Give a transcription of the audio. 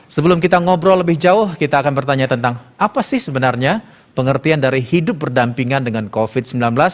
sebelum kita ngobrol lebih jauh kita akan bertanya tentang apa sih sebenarnya pengertian dari hidup berdampingan dengan covid sembilan belas